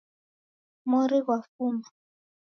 Mori ghwafuma.